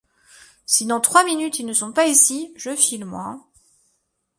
Si, dans trois minutes, ils ne sont pas ici, je file, moi !